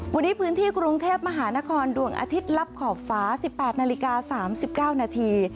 วันนี้พื้นที่กรุงเทพมหานครดวงอาทิตย์ลับขอบฟ้า๑๘นาฬิกา๓๙นาที